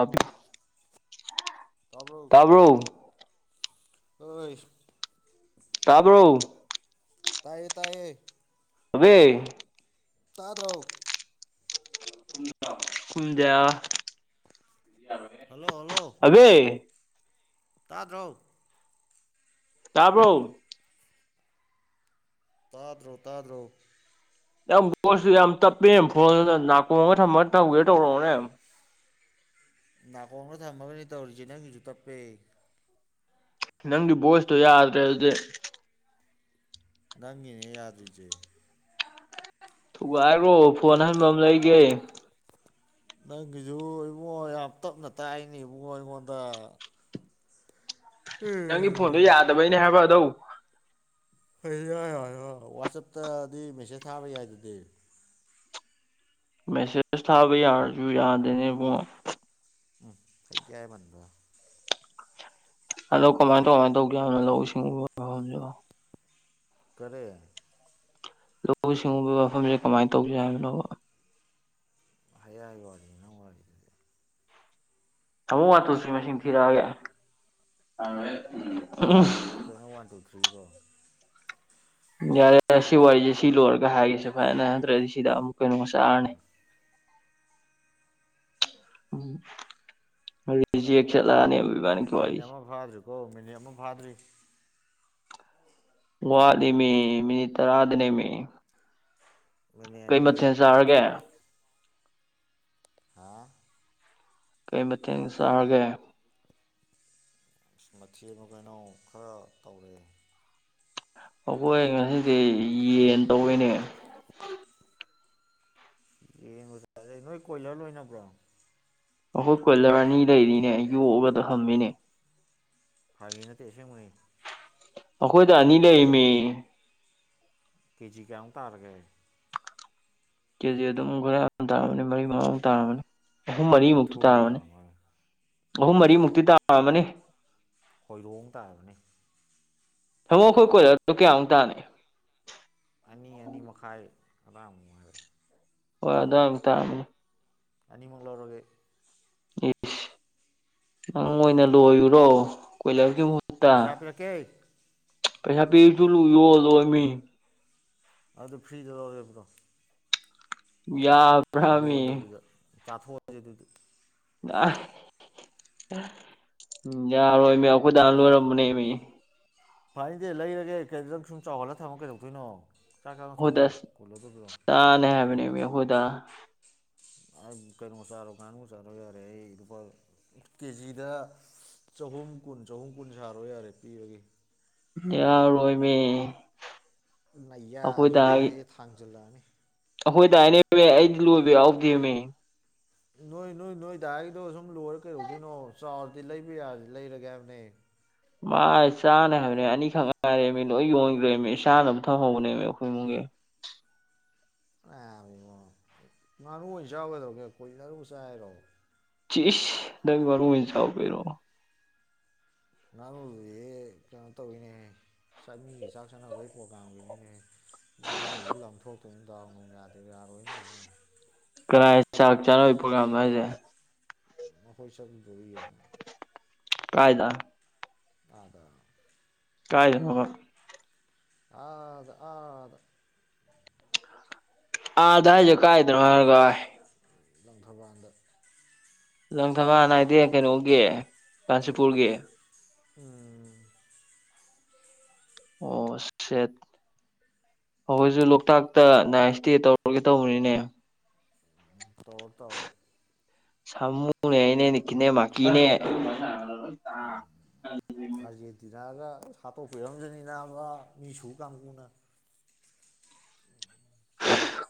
ꯑꯄꯤ ꯇꯥꯕ꯭ꯔꯣ ꯑꯣꯏ ꯇꯥꯕ꯭ꯔꯣ ꯇꯥꯏꯌꯦ ꯇꯌꯦ ꯑꯕ ꯇꯥꯗ꯭ꯔꯥꯎ ꯀꯨꯝꯗ ꯍꯜꯂꯣ ꯍꯜꯂꯣ ꯑꯕꯦ ꯇꯥꯗ꯭ꯔꯣ ꯇꯥꯕ꯭ꯔꯣ ꯇꯥ꯭ꯔꯣ ꯇꯥ꯭ꯔꯣ ꯌꯥꯝ ꯣ ꯌꯥꯝ ꯇꯞꯄꯦ ꯐꯣꯟꯅ ꯅꯥꯀꯣꯡꯉꯒ ꯊꯝꯃꯒ ꯊꯧꯒꯦ ꯇꯧꯔꯛꯅꯦ ꯅꯥ ꯀꯣꯡꯅ ꯊꯝꯃꯒꯅꯤ ꯇꯧꯔꯤꯖꯤꯅ ꯍꯁꯨꯨ ꯇꯞꯄꯦ ꯅꯪꯒꯤ ꯣꯁꯇꯣ ꯌꯥꯗ꯭ꯔꯦ ꯑꯗꯨꯗꯦ ꯅꯪꯉꯅꯦ ꯌꯥꯗ꯭ꯔꯤꯁꯦ ꯎ ꯍꯥꯏꯔꯣ ꯐꯣꯟ ꯅꯪ ꯑꯍꯟꯕ ꯑꯃ ꯂꯩꯒꯦ ꯅꯪꯒꯤꯁꯨ ꯏꯕꯨꯡ ꯌꯥꯝ ꯇꯞꯅ ꯇꯥꯛꯏꯅꯤ ꯏꯕꯨꯡꯣ ꯑꯩꯉꯣꯟꯗ ꯅꯪꯒꯤ ꯐꯣꯟꯗꯣ ꯌꯥꯗꯕꯩꯅꯦ ꯍꯥꯏꯕꯗꯧ ꯍ ꯌꯥ ꯌꯥꯣꯏ ꯋꯥꯆꯞꯇꯗꯤ ꯃꯦꯁꯦꯁ ꯊꯥꯕ ꯌꯥꯏ ꯑꯗꯨꯗꯤ ꯃꯦꯁꯦꯁ ꯊꯥꯕ ꯌꯥꯔꯁꯨ ꯌꯥꯗꯦꯅꯦ ꯏꯕꯨꯡꯉ ꯎꯝ ꯐꯩ ꯌꯥꯏ ꯃꯟꯕ꯭ꯔ ꯑꯗꯣ ꯀꯃꯥꯏ ꯀꯃꯥꯏꯅ ꯇꯧꯒꯦ ꯍꯥꯏꯅꯣ ꯂꯧꯎ ꯁꯤꯡꯎꯕ ꯃꯐꯝꯗ ꯀꯔꯦ ꯂꯧꯎ ꯁꯤꯡꯎꯕꯒꯤ ꯋꯥꯐꯝꯁꯦ ꯀꯃꯥꯏꯅ ꯇꯧꯁꯤꯦ ꯍꯥꯏꯕꯅꯣꯕ ꯍꯌꯥꯏ ꯋꯥꯔꯤ ꯅꯪ ꯋꯥꯔꯤꯗꯨꯗꯤ ꯍ ꯋꯥ ꯇ ꯁꯤ ꯃꯁꯤ ꯊꯤꯔꯒꯦ ꯀꯩꯅꯣ ꯋꯥꯟ ꯇꯨ ꯊ꯭ꯔꯤ ꯀꯣ ꯌꯥꯔꯦꯔꯦ ꯁꯤ ꯋꯥꯔꯤꯁꯦ ꯁꯤ ꯂꯣꯏꯔꯒ ꯍꯥꯏꯒꯦꯁꯦ ꯐꯔꯅ ꯅꯟꯗ꯭ꯔꯗꯤ ꯁꯤꯗ ꯑꯃꯨꯛ ꯀꯩꯅꯣꯃꯆꯥꯔꯅꯤ ꯖꯤꯂꯅꯤ ꯃꯤꯅꯤꯠ ꯑꯃ ꯐꯥꯗ꯭ꯔꯤꯀꯣ ꯃꯤꯅꯤꯠ ꯑꯃ ꯐꯥꯗ꯭ꯔꯤ ꯭ꯋꯥꯂꯤ ꯃꯤꯅꯤ ꯇꯔꯥꯗꯅꯦ ꯃꯤꯅꯤꯠ ꯀꯩ ꯑꯅꯤ ꯃꯊꯦꯜ ꯆꯥꯔꯒꯦ ꯍꯥ ꯀꯩꯃꯦꯡ ꯆꯒꯦ ꯑ ꯃꯊꯤ ꯃ ꯀꯣꯏꯅꯥꯎ ꯈꯔ ꯇꯧꯔꯛꯑꯦ ꯑꯩꯈꯣꯏ ꯉꯁꯤꯗꯤ ꯌꯦꯟ ꯇꯩꯅꯦ ꯌꯦꯡꯉꯨꯗꯗꯩ ꯅꯣꯏ ꯀꯣꯏꯍ ꯂꯣꯏꯅꯕ꯭ꯔꯣ ꯑꯩꯈꯣꯏ ꯀꯣꯏꯂꯔ ꯑꯅꯤ ꯂꯩꯔꯤꯅꯦ ꯌꯣꯛꯑꯒꯗ ꯊꯝꯃꯤꯅꯦ ꯐꯥꯒꯤ ꯅꯠꯇꯦ ꯑꯁꯦꯡꯕꯅꯤ ꯑꯩꯈꯣꯏꯗ ꯑꯅꯤ ꯂꯩ ꯃ ꯀꯦꯖꯤ ꯀꯌꯥꯃꯨꯛ ꯇꯥꯔꯒꯦ ꯀꯦꯖꯤ ꯑꯗꯨꯝ ꯈꯔ ꯑꯗꯨ ꯇꯥꯅꯤ ꯃꯔꯤ ꯃꯉꯥꯃꯨ ꯇꯥꯔꯃꯅꯤ ꯑꯍꯨꯝ ꯃꯔꯤꯃꯨꯛꯇꯤ ꯇꯥꯔꯝꯃꯅꯤ ꯑꯍꯨꯝ ꯃꯔꯤꯃꯨꯛꯇꯤ ꯇꯥꯔꯝꯃꯅꯤ ꯍꯣꯏꯔꯣꯡ ꯇꯥꯕꯅꯤ ꯊꯝꯃꯣ ꯑꯩꯈꯣꯏ ꯀꯣꯏꯔꯗꯣ ꯀꯌꯥꯃꯨꯛ ꯇꯥꯅꯤ ꯑꯅꯤ ꯑꯅꯤ ꯃꯈꯥꯏ ꯑꯔꯥꯡ ꯅꯨꯡꯉꯥꯏꯔꯦ ꯍꯣꯏꯗꯝ ꯇꯥꯝꯃꯦ ꯑꯅꯤꯃꯛ ꯂꯧꯥꯎꯔꯒꯦ ꯑꯦꯁ ꯅꯪ ꯑꯣꯏꯅ ꯂꯣꯏꯔꯨꯔꯣ ꯀꯣꯏꯂꯔꯒꯤꯨ ꯄꯁꯥꯄꯤꯔꯛꯀꯦ ꯄꯩꯁꯥ ꯄꯤ ꯆꯂꯨ ꯌꯣꯗꯣ ꯑꯗꯨꯗ ꯐ꯭ꯔꯤꯖꯗꯔꯦꯕ꯭ꯔꯣ ꯌꯥꯕ꯭ꯔꯃꯤ ꯌꯣꯟꯗꯕꯤꯗ ꯆꯥꯊꯣꯛꯑꯁꯦ ꯑꯗꯨꯗꯤ ꯑ ꯎꯝ ꯌꯥꯔꯣꯏꯃꯦ ꯑꯩꯈꯣꯏꯗꯥ ꯂꯣꯏꯔꯝꯕꯅꯦ ꯐꯥꯏꯗꯤꯦ ꯂꯩꯔꯒꯦ ꯀꯩꯗꯪ ꯁꯨꯝ ꯆꯥꯎꯍꯜꯂꯒ ꯊꯝꯃ ꯀꯩꯗꯧꯇꯣꯏꯅꯣ ꯆꯥꯛ ꯆꯥꯅ ꯑꯩꯈꯣꯏꯗ ꯊꯒꯦ ꯀꯣꯜꯂꯗꯧꯕꯔꯣ ꯍꯗꯥ ꯀꯩꯅꯣ ꯆꯥꯔꯨꯀꯥꯟꯒ ꯆꯥꯔꯣ ꯌꯥꯔꯦ ꯑꯩ ꯂꯨꯄꯥ ꯀꯦꯖꯤꯗ ꯆꯍꯨꯝ ꯀꯨꯟ ꯆꯍꯨꯝ ꯀꯨꯟ ꯁꯥꯔꯣ ꯌꯥꯔꯦ ꯄꯤꯕꯒꯤ ꯌꯥꯣꯏꯃꯦ ꯅꯌꯥꯔ ꯑꯗꯨꯗꯤ ꯊꯥꯡꯖꯤꯜꯂꯛꯑꯅꯤ ꯑꯩꯈꯣꯏꯗꯥꯏꯅꯦ ꯑꯩꯗꯤ ꯂꯣꯏꯕ ꯌꯥꯎꯗꯦꯅꯦ ꯅꯣꯏ ꯅꯣꯏ ꯅꯣꯏꯗꯥꯏꯗꯣ ꯁꯨꯝ ꯂꯣꯏꯔ ꯀꯩꯗꯧꯗꯣꯏꯅꯣ ꯆꯥꯎꯔꯗꯤ ꯂꯩꯕ ꯌꯥꯔ ꯂꯩꯔꯒꯦ ꯍꯥꯏꯕꯅꯦ ꯃꯥ ꯆꯥꯅ ꯍꯥꯏꯕꯅꯦ ꯑꯅꯤꯈꯛ ꯉꯥꯏꯔꯦꯃꯤ ꯂꯣꯏ ꯌꯣꯟꯈ꯭ꯔꯦꯃꯤ ꯏꯁꯥꯅ ꯑꯗꯨꯝ ꯊꯝꯍꯧꯕꯅꯦꯕ ꯑꯩꯈꯣꯏ ꯏꯃꯨꯡꯒꯤ ꯑ ꯉꯥꯅꯨ ꯑꯣꯏꯅ ꯌꯥꯎꯒꯗꯧꯒꯦ ꯀꯨꯏꯅꯔꯨꯁꯦ ꯍꯥꯏꯔꯣ ꯏꯁ ꯅꯪ ꯃꯔꯣꯏ ꯆꯥꯎ ꯀꯔꯤꯅꯣ ꯅꯪꯅ ꯑꯦ ꯀꯩꯅꯣ ꯇꯧꯋꯤꯅꯦ ꯃꯤꯒꯤ ꯆꯥꯛ ꯁꯅꯩ ꯄꯣꯥꯒꯤꯅꯤꯅꯦ ꯉꯥꯅꯨꯗꯤ ꯂꯥꯝꯊꯣꯛꯇꯣꯏꯅꯤꯗꯥꯎ ꯅꯨꯡ ꯌꯥꯗꯦ ꯌꯥꯔꯣꯏꯅ ꯋꯥ ꯋꯥꯅꯤ ꯀꯔꯥꯏ ꯆꯥꯛ ꯆꯥꯅ ꯄ꯭ꯔꯣꯒꯥꯥꯝꯗꯣ ꯍꯥꯏꯁꯦ ꯑꯣ ꯄꯩꯁꯥꯕꯨ ꯂꯏ ꯀꯥꯏꯗ ꯑꯗ ꯀꯥꯏꯗꯅꯣꯕꯥ ꯑꯥꯗ ꯑꯥꯗ ꯑꯥꯗ ꯍꯥꯏꯖꯦ ꯀꯥꯏꯗꯅꯣ ꯍꯥꯏꯔꯒ ꯂꯪꯊꯕꯥꯥꯟꯗ ꯂꯪꯊꯕꯥ ꯅꯥꯏꯗꯦ ꯀꯩꯅꯣꯒꯤ ꯀꯥꯟꯆꯤꯄꯨꯔꯒꯤ ꯎꯝ ꯑꯣ ꯁꯦꯠ ꯑꯩꯈꯣꯏꯁꯨ ꯂꯣꯛꯇꯥꯛꯇ ꯅꯥꯏꯠ ꯏꯁꯇꯦ ꯇꯧꯔꯒꯦ ꯇꯧꯕꯅꯤꯅꯦ ꯇꯣ ꯇꯣ ꯁꯃꯨꯅꯦ ꯏꯅꯦ ꯅꯤꯀꯅꯦ ꯃꯥꯀꯤꯅꯦ [unintelligible] ꯁꯥꯇꯣ ꯐꯤꯔꯝꯖꯅꯤꯅꯕ ꯃꯤꯁꯁꯨ ꯀꯥꯟꯒꯨꯝꯅ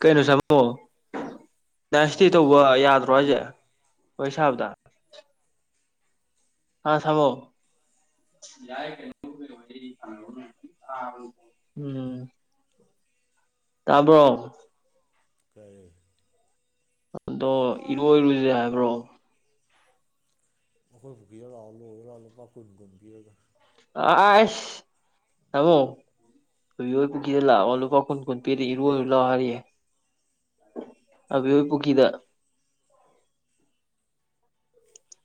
ꯀꯩꯅꯣ ꯁꯥꯃꯣ ꯅꯥꯏꯟꯁꯇꯤ ꯐꯨꯕꯤꯖꯅꯤ ꯇꯧꯕ ꯂꯣꯛꯇꯥꯛꯇ ꯌꯥꯗ꯭ꯔꯣ ꯄꯨꯔꯒ ꯍꯥꯏꯁꯦ ꯍꯣꯏꯁꯥꯕꯗ ꯑꯥ ꯊꯕꯣ ꯎꯝ ꯇꯥꯕꯔꯣ꯫ [unintelligible] ꯑꯗꯣ ꯏꯔꯣꯏꯔꯨꯁꯦ ꯍꯥꯏꯕ꯭ꯔꯣ [unintelligible] ꯑꯁ ꯊꯃꯣ ꯑꯗꯨ ꯑꯣꯏ ꯄꯨꯗ ꯂꯥꯛꯂꯄꯥ ꯀꯨꯟ ꯀꯟ ꯄꯤꯔꯤ ꯏꯔꯨꯔ ꯂꯑꯣ ꯍꯥꯏꯔꯤꯑꯦ ꯑꯕꯣꯏ ꯄꯨꯈꯤꯗ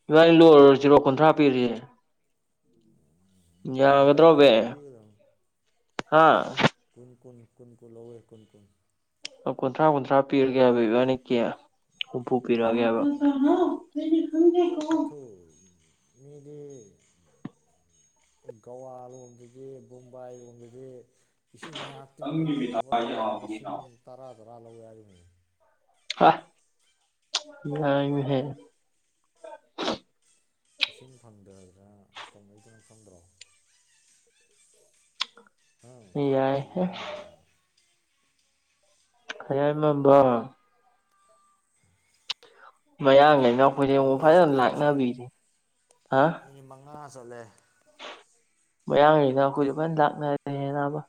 ꯏꯕꯥꯅꯤ ꯂꯣꯏ ꯖꯤꯔꯣ ꯀꯨꯟꯊ꯭ꯔꯥ ꯄꯤꯔꯤꯁꯦ ꯌꯥꯔꯣꯏꯍꯦ ꯀꯨꯟ ꯌꯥꯒꯗ꯭ꯔꯣꯕ ꯀꯨꯟ ꯄꯤꯒꯗꯕꯅꯤ ꯍꯥꯥ ꯀꯨꯅ ꯀꯨꯅ ꯂꯣꯏ ꯑꯣ ꯀꯨꯟꯊ꯭ꯔꯥ ꯀꯨꯟꯊ꯭ꯔꯥ ꯄꯤꯔꯒꯦꯕꯕꯥꯅꯤ ꯀꯦ ꯍꯨꯝꯐꯨ ꯌꯥꯔꯣꯏ ꯄꯤꯔꯛꯑꯒꯦꯕ ꯌꯥꯔꯣꯏ ꯃꯤꯒꯤ ꯒꯋꯥ ꯂꯣꯝꯗꯗꯤ ꯃꯨꯝꯕꯥꯏ ꯂꯣꯟꯝꯗꯗꯤ ꯏꯁꯤꯡꯅ ꯉꯥꯏꯍꯥꯛꯇꯤꯡꯕꯒꯤ ꯂꯨꯄꯥ ꯂꯤꯁꯤꯡ ꯇꯔꯥ ꯇꯔꯥ ꯂꯧꯋꯦ ꯍꯥꯏꯔꯤꯕꯅꯤ ꯑ ꯉꯏ ꯍꯦ ꯏꯁꯤꯡ ꯐꯪꯗꯗꯅ ꯇꯧꯅꯩꯗꯨꯅ ꯈꯪꯗ꯭ꯔꯣ ꯎꯝ ꯍ ꯌꯥꯏ ꯍꯩꯖꯃꯟꯕ ꯈꯌꯥꯔ ꯅꯝꯕ ꯃꯌꯥꯡꯡꯂꯅ ꯃꯤꯅꯤꯠ ꯑꯩꯈꯣꯏꯁꯡꯉꯛ ꯀꯌꯥ ꯐꯖꯅ ꯆꯠꯂꯦ ꯌꯦꯡꯉꯨ ꯂꯥꯛꯅꯕꯤꯔꯤ ꯍꯥ ꯑ ꯆꯜꯂꯦ ꯃꯌꯥꯡꯉꯅ ꯑꯩꯈꯣꯏꯁꯨ ꯐꯅ ꯂꯥꯛꯅꯔꯦ ꯑꯅꯥꯕ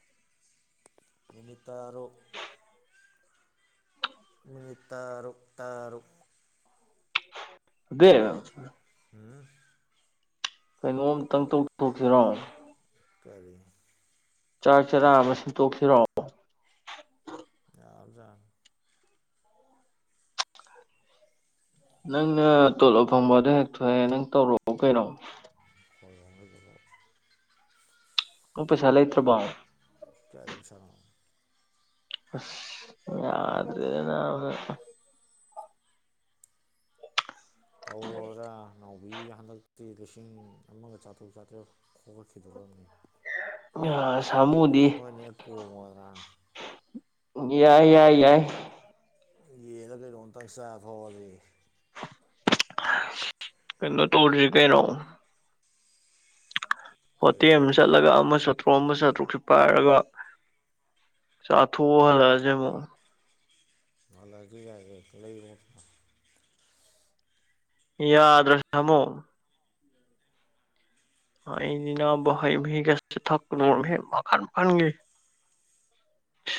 ꯏ ꯅꯇꯔ ꯑꯣ ꯃꯤ ꯇꯔꯨꯛ ꯇꯔꯨꯛ ꯑꯕꯦ ꯀꯩꯅꯣꯝꯇꯪ ꯇꯧꯊꯣꯛꯁꯤꯔꯣ ꯀꯔꯤ ꯆꯥꯛ ꯆꯔꯥ ꯑꯃ ꯁꯤꯟꯇꯣꯛꯁꯤꯔꯣ ꯌꯥꯥꯕꯖꯥꯠꯅꯤ ꯅꯪꯅ ꯇꯣꯂꯣꯞ ꯐꯪꯕꯗ ꯍꯦꯛ ꯊꯣꯛꯑꯦ ꯅꯪ ꯇꯧꯔꯛꯑꯣ ꯀꯩꯅꯣ [unintelligible] ꯅꯪ ꯄꯩꯁꯥ ꯂꯩꯇ꯭ꯔꯕꯣ ꯀꯥꯏꯗꯩꯩ ꯄꯩꯁꯅꯣ ꯑꯁ ꯌꯥꯗ꯭ꯔꯦꯗ ꯅꯥꯕ [inaudible] ꯁꯤꯗꯒꯤ ꯍꯟꯗꯛꯇꯤ ꯂꯤꯁꯤꯡ ꯑꯃꯒ ꯆꯥꯇ꯭ꯔꯨꯛ ꯆꯥꯇ꯭ꯔꯦꯠ ꯈꯣꯝꯒꯠꯈꯤꯗꯣꯔꯝꯅꯤ ꯑ ꯅꯣꯏꯅꯍꯦꯛ ꯀꯣꯡꯉꯣꯗ ꯌꯥꯏ ꯌꯥꯏ ꯌꯥꯏ ꯌꯦꯟꯂ ꯀꯩꯅꯣꯝꯇꯪ ꯆꯊꯣꯛꯑꯁꯤ ꯀꯩꯅꯣ ꯇꯧꯗ꯭ꯔꯤ ꯀꯩꯅꯦ ꯀꯔꯤ ꯍꯣꯇꯦꯜꯗ ꯆꯠꯂꯒ ꯑꯃꯁꯨ ꯆꯥꯇ꯭ꯔꯨꯛ ꯑꯃ ꯆꯥꯇ꯭ꯔꯨꯛꯁꯦ ꯄꯥꯏꯔꯒ ꯆꯥꯊꯣꯛꯎ ꯍꯜꯂꯛꯑꯁꯦ ꯑꯃꯨꯛ ꯍꯜꯂꯛꯑꯁꯨ ꯌꯥꯏꯌꯦ ꯂꯩꯔꯣ ꯌꯥꯗ꯭ꯔꯦ ꯁꯃꯣ ꯑꯩꯗꯤ ꯅꯕ ꯍꯩꯃꯍꯤꯒꯁꯦ ꯊꯛꯄꯒꯨꯝꯕ ꯍꯦꯛ ꯄꯈꯠ ꯃꯟꯒꯤ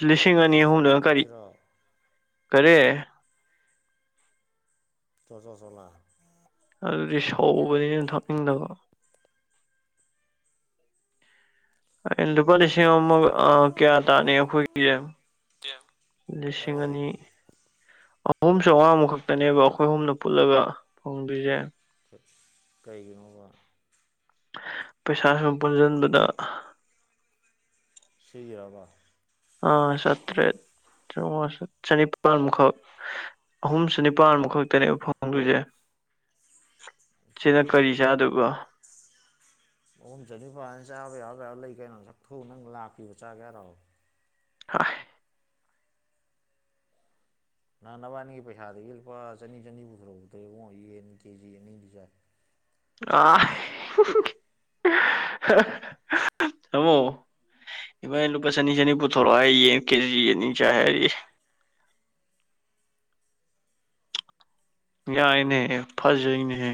ꯂꯤꯁꯤꯡ ꯆꯣ ꯑꯅꯤ ꯆꯣ ꯆꯣꯂꯥ ꯑꯍꯨꯝꯗꯨꯅ ꯀꯔꯤ ꯊꯛꯁꯤꯔꯣ ꯀꯔꯤ ꯆꯣ ꯆꯣ ꯆꯣꯂꯥ ꯑꯗꯨꯗꯤ ꯁꯧꯕꯅꯤꯅ ꯊꯛꯅꯤꯡꯇꯕ ꯂꯨꯄꯥ ꯂꯤꯁꯤꯡ ꯑꯃꯨꯒ ꯑꯥ ꯀꯌꯥ ꯇꯥꯅꯤ ꯑꯩꯈꯣꯏꯒꯤꯁꯦ ꯇꯦꯝ ꯂꯤꯁꯤꯡ ꯀꯔꯤ ꯑꯅꯤ ꯑꯍꯨꯝ ꯆꯃꯉꯥꯈꯛꯇꯅꯦꯕ ꯑꯩꯈꯣꯏ ꯑꯍꯨꯝꯗ ꯄꯨꯜꯂꯒ ꯐꯪꯗꯣꯏꯁꯦ ꯀꯩꯒꯤꯅꯣꯕ ꯄꯩꯁꯥꯁꯨꯝ ꯄꯨꯟꯁꯤꯟꯕꯗ ꯁꯤꯒꯤꯔꯕ ꯑꯥ ꯆꯥꯇ꯭ꯔꯦꯠ ꯆꯃꯉ ꯆꯅꯤꯄꯥꯜꯃꯨꯈꯛ ꯑꯍꯨꯝ ꯆꯅꯤꯄꯥꯥꯟꯃꯨꯈꯛꯇꯅꯦꯕ ꯐꯪꯗꯣꯏꯁꯦ ꯁꯤꯅ ꯀꯃꯥꯏꯅ ꯀꯔꯤ ꯆꯗꯣꯏꯕ ꯑꯍꯨꯝ ꯆꯅꯤꯄꯥꯥꯟꯅꯤ ꯆꯥꯕ ꯌꯥꯕ ꯌꯥꯕ ꯂꯩ ꯀꯩꯅꯣ ꯁꯛꯊꯨ ꯅꯪ ꯂꯥꯛꯄꯤꯕ ꯆꯥꯒꯦꯍꯥꯏꯔꯣꯕ ꯍꯥꯏ ꯅꯍꯥꯟ ꯅꯕꯥꯅꯤꯒꯤ ꯄꯩꯁꯥꯗꯒꯤ ꯂꯨꯄꯥ ꯆꯅꯤ ꯆꯅꯤ ꯄꯨꯊꯣꯔꯛꯄꯗꯨ ꯏꯕꯨꯉꯣ ꯌꯦꯟ ꯀꯦꯖꯤ ꯑꯅꯤꯗꯤ ꯆꯥꯏ ꯑ ꯇꯃꯣ ꯏꯕꯅꯤ ꯂꯨꯄꯥ ꯆꯅꯤ ꯆꯅꯤ ꯄꯨꯊꯣꯔꯛꯑꯣ ꯍꯥꯏ ꯌꯦꯡ ꯀꯦꯖꯤ ꯑꯅꯤ ꯆꯥꯏ ꯍꯥꯏꯔꯤ [inaudible] ꯌꯥꯏꯅꯦ ꯐꯖꯩꯅꯦꯍꯦ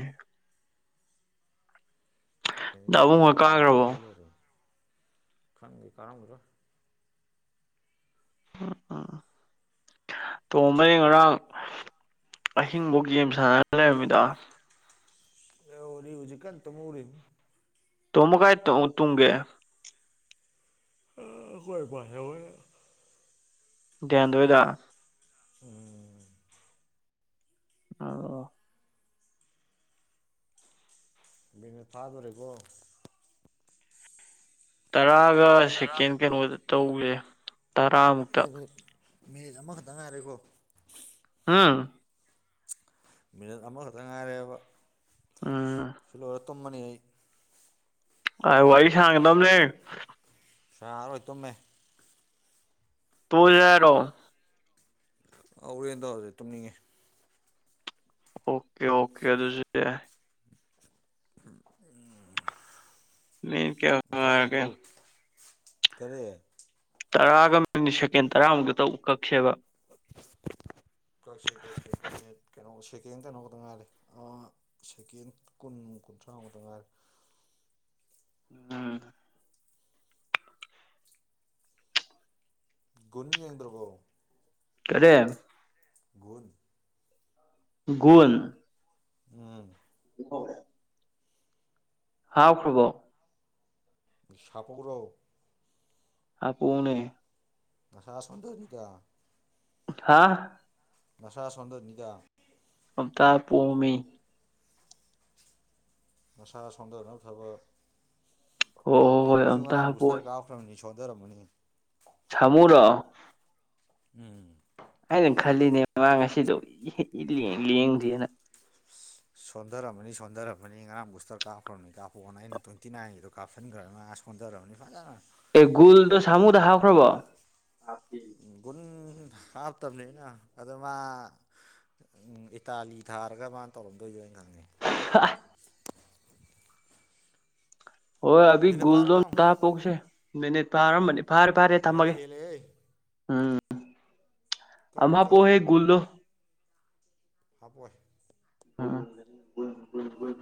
ꯌꯦꯟ ꯗꯥꯕꯨꯡꯒ ꯀꯦꯖꯤ ꯑꯅꯤ ꯀꯥꯈ꯭ꯔꯕꯣ ꯆꯊꯣꯛꯑꯒ ꯂꯣꯏꯔꯦ ꯈꯪꯗꯦ ꯀꯔꯝꯕꯗꯣ ꯎꯝ ꯎꯝ ꯇꯣꯝꯕꯒꯤ ꯉꯔꯥꯡ ꯑꯍꯤꯡꯐꯧ ꯒꯦꯝ ꯁꯥꯟꯅꯔ ꯂꯩꯔꯃꯤꯗ ꯂꯩꯍꯧꯕꯅꯤ ꯍꯧꯖꯤꯛꯀꯟ ꯇꯨꯃꯍꯧꯔꯤꯝꯅꯤ ꯇꯣꯝꯕ ꯀꯥꯏ ꯇꯨꯝꯒꯦ ꯑ ꯍꯣꯏ [unintelligible] ꯦꯟꯗꯣꯏꯗ ꯎꯝ ꯑ ꯅ ꯊꯥꯗꯣꯔꯦꯀꯣ ꯇꯔꯥꯒ ꯇꯔꯥ ꯁꯦꯀꯦꯟ ꯀꯩꯅꯣꯗ ꯇꯧꯁꯦ ꯇꯔꯥꯃꯨꯛꯇ ꯃꯤꯦꯁ ꯑꯃꯈꯛꯇꯪ ꯉꯥꯏꯔꯦꯀꯣ ꯑꯥ ꯃꯤ ꯅꯝꯕ ꯀꯗꯉꯔꯦꯕ ꯎꯝ ꯇꯣꯝꯕꯅꯤ ꯑꯩ ꯑ ꯋꯥꯔꯤ ꯁꯥꯡꯒꯗꯕꯅꯦ ꯁꯥꯔꯣꯏ ꯇꯨꯝꯃꯦ ꯇꯨ ꯌꯥꯔꯣ ꯍꯔꯦꯟ ꯇꯧꯔꯖꯤꯦ ꯇꯨꯝꯅꯤꯡꯉꯤ ꯑꯣꯀꯦ ꯑꯣꯀꯦ ꯑꯗꯨꯁꯨ ꯎ ꯂꯩ ꯀꯌꯥꯒ ꯇꯔꯦꯠ ꯇꯔꯥꯒ ꯃꯤꯅꯤꯠ ꯁꯦꯀꯦꯟ ꯇꯔꯥꯃꯨꯛꯇ ꯇ ꯎ ꯀꯛꯁꯦꯕ [unintelligible] [inaudible] ꯀ ꯀ ꯀꯩꯅꯣ ꯁꯦꯀꯦꯟ ꯀꯩꯅꯣꯗꯉꯔꯦ ꯁꯦꯀꯦꯟ ꯀꯨꯟ ꯀ ꯇꯉꯔ ꯎꯝ ꯟꯅ ꯌꯦꯡꯗꯔꯕꯣ ꯀꯔꯦ ꯟ ꯨꯟ [unintelligible] ꯎꯝ ꯍꯣꯏ ꯍꯥꯎ ꯍꯕ ꯁꯥꯄ꯭ꯔꯣ ꯍꯥ ꯄꯨꯨꯡꯅꯦ ꯉꯁꯁꯟꯗꯣꯏꯅꯤ ꯀ ꯍꯥꯥ ꯅꯁꯥ ꯁꯟꯗꯅꯤꯗ ꯍꯝꯇꯥ ꯄꯣꯝꯃꯤ ꯃꯁꯥ ꯁꯣꯟꯊꯅꯕ ꯊꯕꯛ ꯍꯣꯏ ꯍꯣꯏ ꯍꯣꯏ ꯅꯥꯎꯕꯤꯁꯨ ꯑꯝꯇ ꯉꯔꯥꯡ ꯄꯨꯁꯇꯔ ꯀꯥꯞꯈ꯭ꯔꯕꯅꯤ ꯁꯣꯟꯊꯔꯝꯃꯅꯤ ꯊꯃꯨꯔ ꯎꯝ ꯑꯩꯅ ꯈꯜꯂꯤꯅꯦ ꯃꯥꯃꯥꯡ ꯉꯁꯤꯗꯣ ꯂꯦꯡꯗ꯭ꯔꯤꯦꯅ ꯁꯣꯟꯊꯔꯃꯅꯤ ꯁꯣꯟꯊꯔꯔꯕꯅꯤ ꯉꯔꯥꯡꯕꯨꯁꯇꯔ ꯀꯥꯞꯈ꯭ꯔꯕꯅꯤ ꯀꯥꯞꯄꯑꯣꯅ ꯑꯩꯅ ꯇ꯭ꯋꯦꯟꯇꯤꯅꯥꯏꯟꯒꯤꯗ ꯀꯥꯞꯁꯤꯟꯈ꯭ꯔꯅ ꯐꯣꯟ ꯇꯔꯔꯕꯅꯤ ꯐꯥꯖꯅ ꯑꯦꯒꯣꯜꯗꯣ ꯁꯃꯨꯗ ꯍꯥꯥꯎꯈ꯭ꯔꯕꯣ ꯨꯟ ꯍꯥꯞꯇꯕꯅꯤꯅ ꯑꯗꯣ ꯃꯥ ꯎꯝ ꯏꯇꯥꯂꯤ ꯊꯥꯔꯒ ꯃꯥꯅ ꯇꯧꯔꯝꯗꯣꯏꯗ ꯑꯩꯅ ꯈꯪꯉ ꯑ ꯍꯣꯏ ꯑꯗꯨꯕꯤ ꯃꯤꯅꯠ ꯐꯥꯔꯕ ꯒꯨꯜꯗꯣꯝ ꯌꯦꯡꯉꯣ ꯇꯥ ꯄꯣꯛꯁꯦ ꯃꯤꯅꯤꯠ ꯐꯥꯔꯝꯕꯅꯤ ꯐꯔꯦ ꯐꯔꯦ ꯃꯤꯅꯠ ꯊꯝꯃꯒꯦ ꯍꯦꯜꯂꯦꯍꯦ ꯎꯝ ꯀꯛꯎ ꯑꯍ ꯄꯣ ꯍꯦ ꯨꯜꯗꯣ ꯍꯥꯄꯣꯏ ꯑꯣꯏ